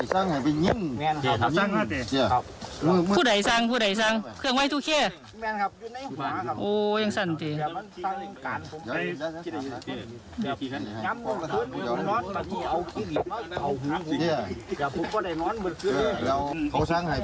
ห้องหนอนอย่าเอาคุ้นกว่าได้น้อนหมด